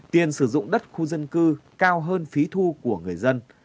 tiền sử dụng đất khu dân cư cao hơn phí thu của người dân